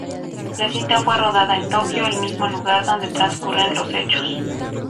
La cinta fue rodada en Tokio, el mismo lugar donde transcurren los hechos.